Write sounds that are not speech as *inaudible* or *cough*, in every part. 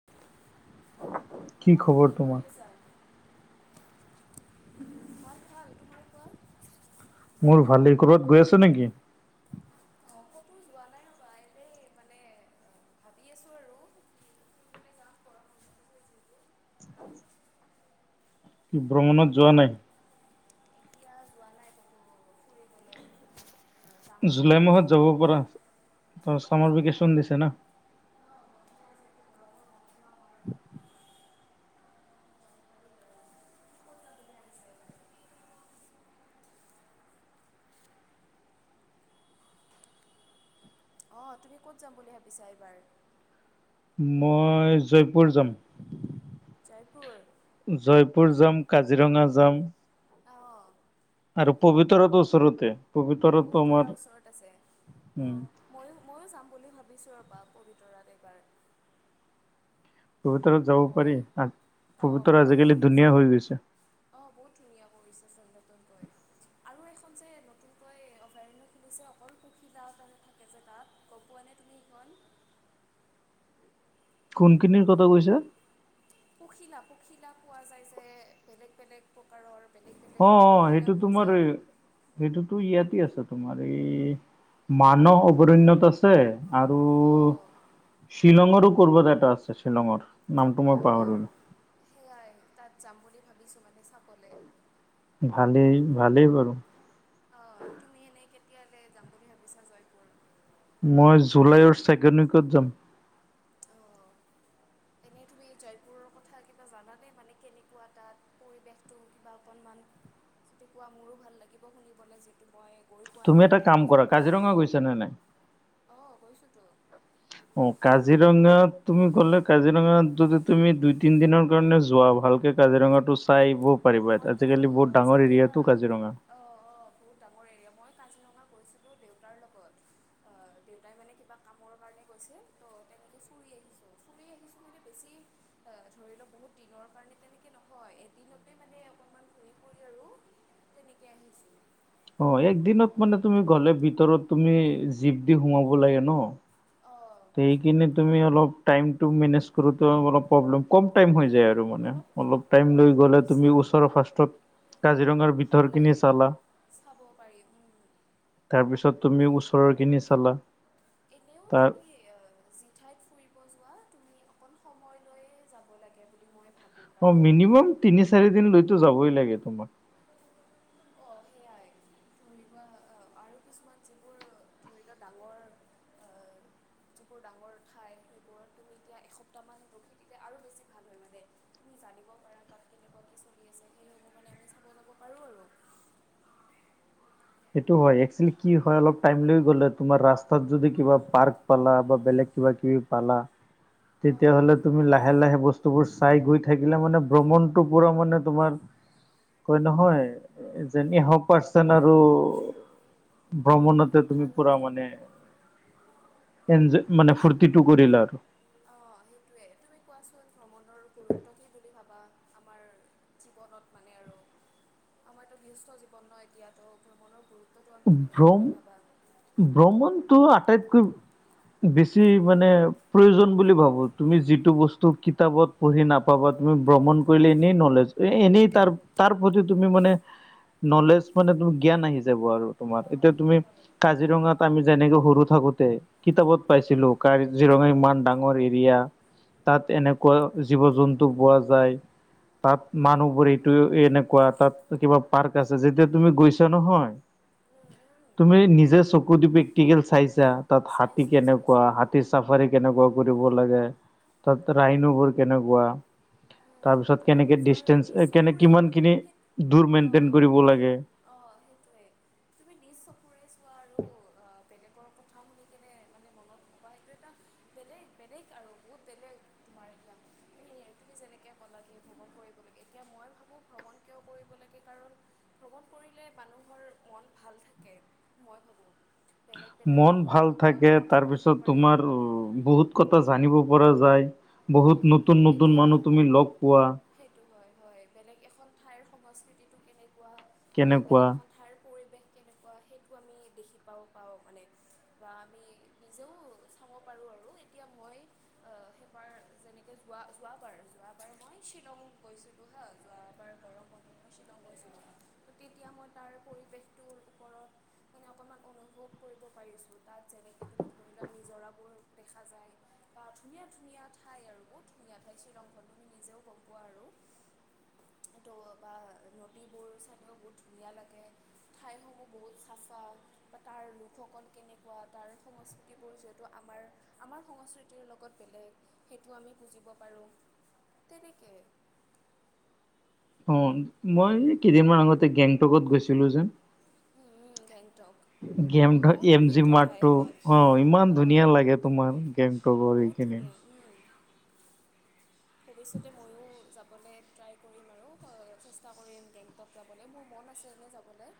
অ', কি খবৰ তোমাৰ? কৰি আছা? মই ভাল, তোমাৰ কোৱা? মোৰ ভালেই, ক'ৰবাত গৈ আছা নেকি? অ', ক'তো যোৱা নাই ৰ'বা এনেই মানে ভাবি আছোঁ আৰু। তুমি যাম ক'ৰবা *unintelligible* ভ্ৰমণত যোৱা নাই? এতিয়া যোৱা নাই কতো ফুৰিবলৈ। যাম বুলি জুলাই মাহত ভাবিছোঁ যাব আৰু পাৰা, ত অ ছামাৰ ভেকেশ্যন সেয়াই দিছে না। *unintelligible* অঁ তুমি ক'ত যাম বুলি ভাবিছা এইবাৰ? মই জয়পুৰ যাম। জয়পুৰ? জয়পুৰ যাম কাজিৰঙা যাম। অঁ আৰু পবিতৰাতো ওচৰতে। পবিতৰাতো আমাৰ পবিতৰা ওচৰত আছে অ। উম, ময়ো ময়ো যাম বুলি ভাবিছোঁ ৰবা পবিতৰাত এইবাৰ। পবিতৰাত যাব পাৰি মই অ, পবিতৰা আজিকালি ধুনিয়া হৈ গৈছে। অ বহুত ধুনীয়া কৰিছে চন্দটোনকৈ। আৰু এখন যে নতুনকৈ অভয়াৰণ্য খুলিছে অকল পখিলা থাকে যে তাত। গম পোৱানে তুমি সেইখন? কোনখিনিৰ কথা কৈছা? পখিলা পখিলা পোৱা যায় যে বেলেগ বেলেগ। প্ৰকাৰৰ বেলেগ বেলেগ অ', অ', সেইটো পখিলাবোৰ তোমাৰ যে। এই সেইটোতো ইয়াতে আছে, তোমাৰ এই মানহ অভৰণ্যত আছে। আৰু অঁ শ্বিলংৰো কবা এটা আছে শ্বিলংৰ। অঁ সেয়াই তাত যাম বুলি ভাবিছোঁ মানে চাবলে। ভালেই ভালেই বাৰু। অঁ তুমি এনেই কেতিয়ালৈ যাম বুলি ভাবিছা জয়পুৰ? মই জুলাইৰ ছেকেণ্ড উইকত যাম। অ। এনেই তুমি জয়পুৰৰ কথা কিবা জানানে মানে কেনেকুৱা তাত পৰিৱেশটো? বা অকণমান তেকুৱা মোৰো ভাল লাগিব শুনিবলৈ যে মই গৈ পোৱা তুমি নাই এটা কাম এতিয়ালৈ কৰা কাজিৰঙা গৈছা নে নাই জয়পুৰ। অ গৈছোতো। অ কাজিৰঙাত তুমি ক'লে কাজিৰঙা যদি তুমি দুই তিনদিনৰ কাৰণে যোৱা ভালকে কাজিৰঙাটো চাই আহিব পাৰিবা ইয়াত। মইতো আজিকালি বহুত আহ, ডাঙৰ যেতিয়া এৰিয়াটো কাজিৰঙা। অঁ অঁ বহুত ডাঙৰ এৰিয়া, মই কাজিৰঙা গৈছিলোঁ দেউতাৰ লগত। অ দেউতাই মানে কিবা কামৰ কাৰণে গৈছিল ত' তেনেকে ফুৰি আহিছো। ফুৰি আহিছো মানে বেছি ধৰি লওক বহুত দিনৰ কাৰণে তেনেকে নহয় এদিনত মানে অকণমান ঘুৰি ফুৰি আৰু তেনেকে আহিছো। অ একদিনত মানে তুমি গলে ভিতৰত তুমি জীপ দি সোমাব লাগে ন। অ। তে সেই কিনে তুমি অলপ টাইমটো মেনেজ কৰোতে অলপ প্ৰব্লেম কম টাইম হৈ যায় আৰু। আৰু মানে অলপ টাইম লৈ গলে তুমি ওচৰৰ ফাৰ্ষ্টত কাজিৰঙাৰ ভাল ভিতৰখিনি লাগে চালা চাব পাৰি উম। তাৰপিছত তুমি ওচৰৰ খিনি চালা। এনেও তাৰ তুমি অ যিঠাইত ফুৰিব যোৱা তুমি অকণ সময় লৈ যাব লাগে বুলি মই ভাবোঁ। অ কাৰণ মিনিমাম তিনি চাৰি দিন লৈতো যাবই লাগে তোমাৰ। অ সেয়াই। ধৰি লোৱা আৰু কিছুমান যিবোৰ ধৰি লোৱা ডাঙৰ এ যিবোৰ ডাঙৰ ঠাই সেইবোৰত তুমি এতিয়া এসপ্তাহমান ৰখি দিলে আৰু বেছি ভাল নালাগে। জানিব পাৰা তাত কেনেকুৱা কি চলি আছে সেই অনুমানে আমি চাব যাব পাৰো আৰু। সেইটো হয়, এক্সুয়েলী কি হয় অলপ টাইম লৈ গ'লে তোমাৰ ৰাস্তাত যদি কিবা পাৰ্ক পালা বা বেলেগ কিবা কিবি পালা। তেতিয়াহ'লে অঁ তুমি লাহে লাহে বস্তুবোৰ চাই গৈ থাকিলে মানে ভ্ৰমণটোৰ পুৰা মানে তোমাৰ কয় নহয় এ' যে এনি হাও পাৰ্চন আৰ আৰু ভ্ৰমণতে তুমি ভাল পুৰা হয় মানে ইঞ্জয় মানে ফূৰ্তিতো কৰিলা আৰু। অ' সেইটোৱে, তুমি কোৱাচোন ভ্ৰমণৰ গুৰুত্ব কি বুলি ভাবা আমাৰ জীৱনত মানে আৰু? আমাৰতো গৃহস্থ জীৱন ন, এতিয়াতো মনৰ গুৰুত্বটো আমি তুমি কি ভ্ৰম বুলি ভাবা? ভ্ৰমণটো আটাইতকৈ বেছি মানে প্ৰয়োজন বুলি ভাবো, তুমি যিটো বস্তু কিতাপত পঢ়ি নাপাবা তুমি, ভ্ৰমণ কৰিলে এনেই নলেজ এ' এনেই তাৰ তাৰ প্ৰতি তুমি মানে নলেজ মানে ত' জ্ঞান আহি যাব আৰু তোমাৰ। এতিয়া তুমি কাজিৰঙাত আমি যেনেকে সৰু থাকোতে কিতাপত পাইছিলো কাজিৰঙা ইমান ডাঙৰ এৰিয়া। তাত এনেকুৱা জীৱ-জন্তু পোৱা যায়। তাত মানুহবোৰ এইটো এনেকুৱা, তাত কিবা পাৰ্ক আছে, যেতিয়া তুমি গৈছা নহয় উম তুমি উম নিজে চকু দি প্ৰেক্টিকেল চাইছা, তাত হাতী চাইছোঁ চাইছোঁ কেনেকুৱা আমি হাতীৰ চাফাৰী কেনেকুৱা উম কৰি ৰিব লাগে, তাত ৰাইনো কেনেকুৱা, উম আৰু তাৰপিছত তুমি কেনেকে নিজৰ নিজ ডিষ্টেঞ্চ কেনে চকুৰে কিমানখিনি দূৰ মেইনটেইন কৰিব লাগে। অ' সেইটয়ে, তুমি নিজ চকুৰে চোৱা আৰু অ' বেলেগৰ কথা শুনি কেনে মানে মনত বা সেইটো এটা বেলেগ বেলেগ আৰু বহুত বেলেগ তোমাৰ এ তুমি তুমি যেনেকে ক'লা যে ভ্ৰমণ কৰিব লাগে, এতিয়া মই ভাবোঁ ভ্ৰমণ কিয় কৰিব লাগে। কাৰণ ভ্ৰমণ কৰিলে মানুহৰ মন ভাল থাকে মই ভাবোঁ। বেলেগ বেলেগ মন লোকৰ ভাল লগত থাকে, কথা পাতিব তাৰপিছত পাৰে তোমাৰ উম, বহুত কথা জানিব পৰা যায়, উম, বহুত নতুন নতুন এতিয়া মানুহ তুমি লগ পোৱা। সেইটো হয়, হয়, বেলেগ এখন ঠাইৰ সংস্কৃতিটো কেনেকুৱা বেলেগ কেনেকুৱা এখন ঠাইৰ পৰিৱেশ কেনেকুৱা, সেইটো আমি দেখি পাওঁ পাওঁ মানে। বা আমি নিজেওঁ চাব পাৰো আৰু, এতিয়া মই অ', সেইবাৰ যেনেকে, যোৱা যোৱাবাৰ- যোৱাবাৰ মই গৈছিলোঁ হা' যোৱাৰ গৰম বন্ধত শ্বিলং গৈছিলোঁ। তেতিয়া মই তাৰ পৰিৱেশটোৰ ওপৰত মানে অকণাক অনুভৱ কৰিব পাৰিছোঁ, তাত যেনেকৈ ত' ধূনিলা আৰু নিজৰাবোৰ দেখা যায়। বা ধুনীয়া ধুনীয়া ঠাই আৰু বহুত ধুনীয়া ঠাই শ্বিলংখন, নিজেও গ'ম পোৱা আৰু। বা নদীবোৰ চালেও বহুত ধুনীয়া লাগে। ঠাই সমূহ বহুত চাফা। তাৰ লোকসকল কেনেকুৱা, তাৰ সংস্কৃতিবোৰ যিহেতু আমাৰ আমাৰ সংস্কৃতি তিৰ লগত বেলেগ, সেইটো আমি পুজিব পাৰোঁ। তেনেকে অ', মই এই কেইদিনমান আগতে গেংটকত গৈছিলো যে উম গেংটক। বহুত গেমটো বহুত এম জি প্ৰসিদ্ধ ঠাই মাৰ্টো, এইখন অ' ইমান অঁ ধুনীয়া লাগে তোমাৰ গেংটৰ এইখিনি। *unintelligible* ভৱিষ্যতে ময়ো যাবলে ট্ৰাই কৰিম আৰু চেষ্টা কৰিম গেংটকত যাবলৈ, মোৰ মন আছে এনে যাবলৈ।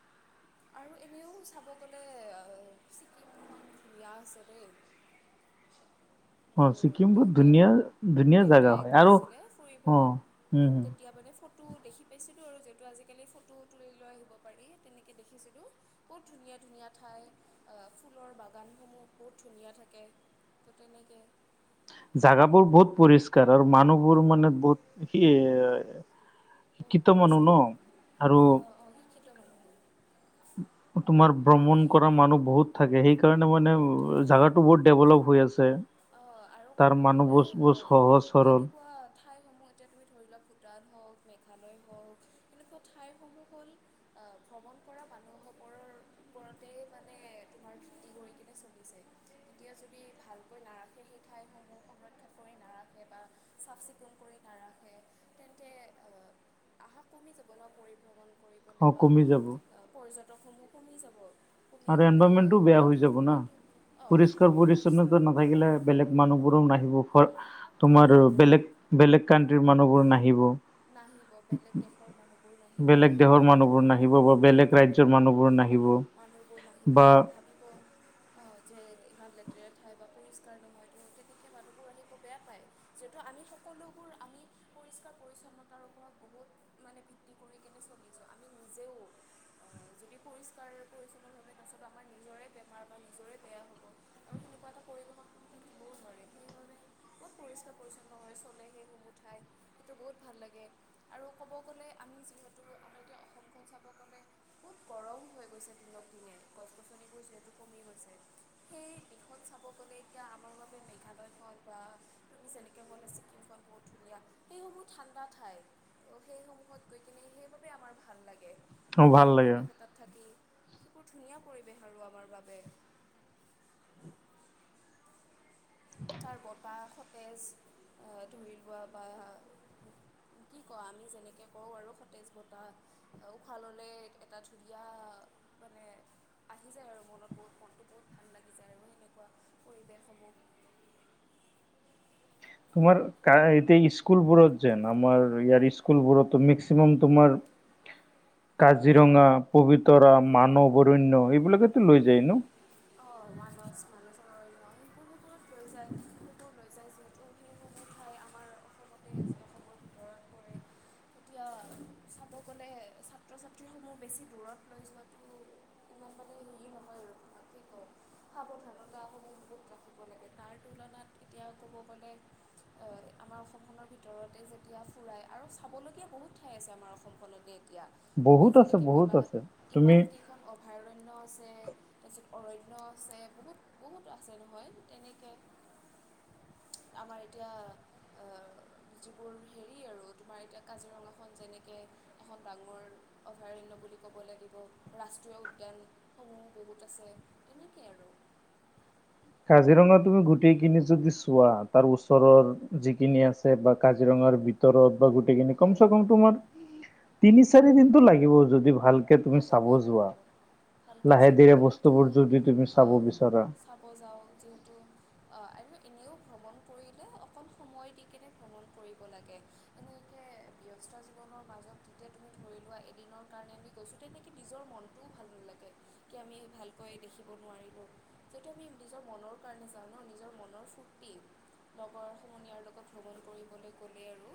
*inaudible* আৰু এনেও চাব গ'লে অ ছিকিমট ধুনীয়া আছে দেই। *unintelligible* অ ছিকিম বহুত দেউতাই ধুনীয়া ধুনীয়া জাগা দেউতাই হয় আৰু গৈছিলে ফুৰিব অ উম হম তেতিয়া, মানে ফ ফটো দেখি পাইছিলোঁ আৰু যিহেতু আজিকালি ফটো তুলি লৈ আহিব পাৰি তেনেকৈ দেখিছিলোঁ। বহুত ধুনীয়া ধুনীয়া ঠাই অ ফুলৰ বাগানসমূহ বহুত ধুনীয়া থাকে। তেনেকে। জাগাবোৰ বহুত পৰিস্কাৰ আৰু মানুহবোৰ মানে বহুত সি এ বহুত শিক্ষিত মানুহ ন পৰিষ্কাৰ আৰু *unintelligible* তোমাৰ আৰু ভ্ৰমণ সেই কৰা মানুহ বহুত থাকে সেই সেইকাৰণে মানে বহুত থাকে জাগাটো বহুত ডেভলপ হৈ আছে। অ আৰু তাৰ ক'ব মানুহ গ'লে বোৰ অ বহুত সহজ সৰল তেনেকুৱা ঠাইসমূহ যেতিয়া তুমি ধৰি লোৱা ভূটান হওক মেঘালয় হওক এনেকুৱা ঠাইসমূহ হ'ল আহ ভ্ৰমণ কৰা মানুহসকলৰ ওপৰতে মানে তোমাৰ ধুতি কৰি কিনে চলি যায়। এতিয়া যদি ভাল নাৰাখে সেই ঠাইসমূহ সংৰক্ষন কৰি নাৰাখে বা চাফ চিকুণ কৰি নাৰাখে তেন্তে অ আহা কমি যাব ন পৰিভ্ৰমণ কৰি অ কেতিয়াবা কমি যাব পৰ্যটকসমূহ কমি যাব। কমি আৰু গ'লে এনভাইৰনমেন্টটো বেয়া হৈ সেইটো যাব সেইটো অঁ সেইটো সমস্যাত থাকিলে বেলেগ মানুহবোৰো নাহিব *unintelligible* তোমাৰ নাহিব বেলেগ বেলেগ কানট্ৰিৰ মানুহবোৰ নাহিব। নাহিব বেলেগ দেশৰ মানুহবোৰ নাহিব বেলেগ সেইটোৱে দেশৰ কথা মানুহবোৰ নাহিব বা বেলেগ ৰাজ্য পিছৰ মানুহবোৰ নাহিব। মানুহবোৰ নাহিব বা *unintelligible* অ যে ইমান লেতেৰা ঠাই বা পৰিষ্কাৰ নহয়তো তেতিকে মানুহবোৰ আহিব বেয়া পায়। যিহেতু আমি সকলোবোৰ আমি পৰিষ্কাৰ পৰিচ্ছন্নতাৰ ওপৰত বহুত মানে ভিত্তি কৰি কিনে চলিছো আমি নিজেও অ যদি পৰিষ্কাৰ পৰিচ্ছন্নভাৱে তাচত আমাৰ নিজৰে বেমাৰ বা নিজৰে বেয়া হ'ব। আৰু সেনেকুৱা এটা পৰিৱেশত বও ধৰে সেইবাবে ক'ত পৰিষ্কাৰ পৰিচ্ছন্ন হয় চলে সেই সমূহ ঠাই। সেইটো বহুত ভাল লাগে আৰু ক'ব গ'লে আমি যিহেতু আমিতো অসমখন চাব গ'লে বহুত গৰম হৈ গৈছে দিনক দিনে, গছ গছনিবোৰ যিহেতু কমি গৈছে। সেই দিশত চাব গলে এতিয়া আমাৰ বাবে মেঘালয়খন বা আমি যেনেকৈ ক'লে ছিকিমখন বহুত ধুনীয়া। সেইসমূহ ঠাণ্ডা ঠাই, সেইসমূহত গৈ কিনে সেইবাবে ভাল লাগে। ঠাণ্ডা ভাল লাগে পৰিৱেশ এটাত থাকি এইবোৰ ধুনীয়া পৰিৱেশ আৰু আমাৰ বাবে। *unintelligible* তাৰ বতাহ সতেজ, অ ধৰি লোৱা বা কি কঅ আমি যেনেকে কওঁ আৰু সতেজ বতাহ। তই উশাহ ল'লে এটা ধুনীয়া মানে আহি যায় আৰু মনত বহুত মনটো বহুত ভাল লাগি যায় আৰু সেনেকুৱা পৰিৱেশসমূহ তোমাৰ কা এতিয়া স্কুলবোৰত যেন আমাৰ ইয়াৰ স্কুল বোৰতো মেক্সিমাম তোমাৰ *unintelligible* কাজিৰঙা, পবিতৰা, মানৱ অভৰণ্য এইবিলাকেতো লৈ যায় ন। অ, মানস *unintelligible* লৈ যায় সবোৰ লৈ যায় যিহেতু সেই সমূহ ঠাই আমাৰ অসমতে আছে অসমৰ ভিতৰতে পৰে। এতিয়া চাব গ'লে ছাত্ৰ ছাত্ৰীসমূহ বেছি দূৰত লৈ যোৱাটো *unintelligible* সাৱধানতাসমূহ *unintelligible* ৰাখিব লাগে তাৰ তুলনাত এতিয়া ক'ব গ'লে অ, আমাৰ অসমখনৰ ভিতৰতে যেতিয়া ফুৰাই আৰু চাবলগীয়া বহুত ঠাই আছে আমাৰ অসমখনতে এতিয়া। তুমি বহুত আছে যেনেকে ক'লা বহুত আছে তুমি ইমান কেইখন অভয়াৰণ্য আছে, তাৰপিছত অৰণ্য আছে বহুত বহুত আছে নহয় এনেকে আমাৰ এতিয়া অ যিবোৰ হেৰি আৰু তোমাৰ এতিয়া কাজিৰঙাখন যেনেকে এখন ডাঙৰ অভয়াৰণ্য বুলি ক'ব লাগিব ৰাষ্ট্ৰীয় উদ্যানসমূহ বহুত আছে। এনেকে আৰু। কাজিৰঙা তুমি গোটেইখিনি যদি চোৱা তাৰ ওচৰৰ যিখিনি আছে বা কাজিৰঙাৰ বি ৰত বা গোটেইখিনি কম হয় চে কম তোমাৰ তিনি চাৰি দিনটো লাগিব যদি ভালকে এ তুমি লাগিব চাব যোৱা লাগিব ভালকৈ লাহে চাব ধীৰে বস্তুবোৰ যদি তুমি চাব বিচাৰা। খাব যাওঁ যিহেতু অ, আৰু এনেও ভ্ৰমণ কৰিলে অকণ সময় দি কেনে ভ্ৰমণ কৰিব লাগে। এনেকে ব্যস্ত জীৱনৰ মাজত যেতিয়া তুমি ধৰি লোৱা এদিনৰ কাৰণে গৈছো তেনেকে নিজৰ মনটোও ভাল নালাগে কি আমি ভালকৈ দেখিব নোৱাৰিলো। *unintelligible* নিজৰ মনৰ কাৰণে যাওঁ ন' নিজৰ মনৰ ফূৰ্তি। লগৰ সমনীয়াৰ লগত ভ্ৰমণ কৰিবলৈ গ'লে আৰু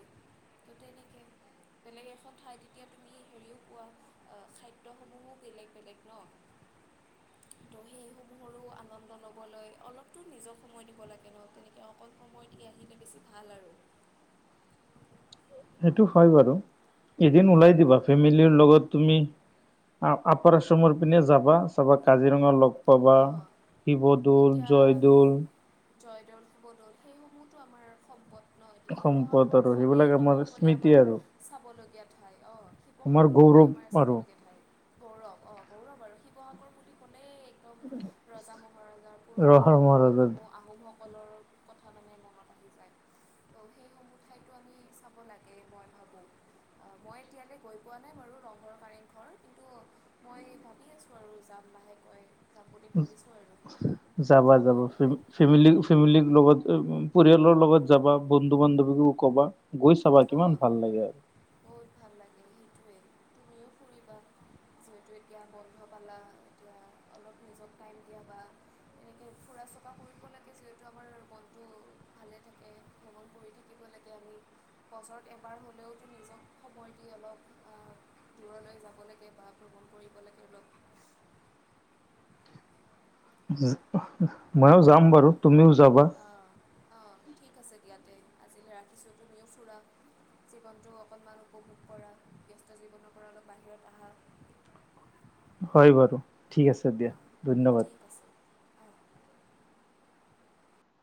এতিয়া সেনেকে বেলেগ এখন ঠাইত তেতিয়া তুমি হেৰিও পোৱা অ, খাদ্য সমূহহো বেলেগ বেলেগ ন। তো সেইসমূহৰো আনন্দ ল'বলৈ অলপতো নিজক সময় দিব লাগে ন তেনেকৈ অকল সময় দি আহিলে বেছি ভাল আৰু। হেইটো হয় বাৰু, এদিন ওলাই দিবা ফেমিলি ৰ লগত লগত তুমি আপাৰ আসামৰ পিনে যাবা চাবা কাজিৰঙা লগ ক'বা অঁ শিৱদৌল, এতিয়া জয়দৌল। জয়দৌল শিৱদৌল সেইসমূহতো আমাৰ সম্পদ। ন' এতিয়া সম্পদ আৰু শিৱসাগৰখনেই সেইবিলাক ক'ব আমাৰ গ'লে স্মৃতি আমাৰ আৰু চাবলগীয়া ঠাই অ, আমাৰ শিৱসাগৰখনে গৌৰৱ আমাৰ আৰু চাবলগীয়া ঠাই। গৌৰৱ অ, গৌৰৱ আৰু শিৱসাগৰ বুলি কলেই ৰজা মহাৰজাৰ পুৰণা ৰহা মহাৰাজাৰ দিনসমূহ আহোমক গলৰ কথা মানে মনত আহি যায়। ত', সেইসমূহ ঠাইতো আমি চাব লাগে মই ভাবো। অ, মই এতিয়ালে গৈ পোৱা নাই বাৰু ৰংঘৰ কাৰেং ঘৰ কিন্তু মই ভাবি আছো আৰু যাম লাহে কৈ যাম বুলি ভাবিছো আৰু যাবা সময় যাবা ফেম- মিলাই। ফেমিলি ফেমিলি লগত পৰিয়ালৰ লগত যাবা বন্ধু বান্ধৱীকো ক, বা, গৈ চাবা অঁ কিমান ভাল লাগে। বহুত ভাল লাগে সেইটোৱে, তুমিও ফুৰিবা। যিহেতু এতিয়া বন্ধ পালা, এতিয়া অলপ নিজক টাইম দিয়া বা এনেকে ফুৰা চকা কৰিব লাগে, যিহেতু আমাৰ মনটো ভালে থাকে। ভ্ৰমণ কৰি থাকিব থাকিব লাগে আমি, বছৰত এবাৰ হ'লেওতো নিজক সময় দি অলপ দূৰলৈ যাব লাগে বা ভ্ৰমণ কৰিব লাগে অলপ। মইয়ো যাম বাৰু, অঁ তুমিও যাবা। অঁ অঁ ঠিক আছে দিয়া তে, আজিলৈ ৰাখিছোঁ, তুমিও ফুৰা। জীৱনটো অকণমান উপভোগ কৰা, ব্যস্ত জীৱনৰ পৰা অলপ বাহিৰত আহা। হয় বাৰু, ঠিক আছে অঁ দিয়া, ধন্যবাদ। ঠিক আছে অঁ